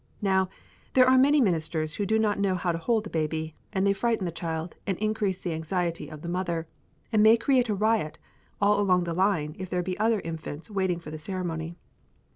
Now, there are many ministers who do not know how to hold a baby, and they frighten the child and increase the anxiety of the mother, and may create a riot all along the line if there be other infants waiting for the ceremony.